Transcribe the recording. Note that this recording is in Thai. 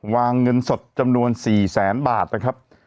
วางเงินสดจำนวน๔๐๐๐๐๐บาทนะครับ